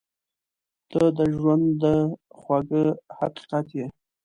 • ته د ژونده خوږ حقیقت یې.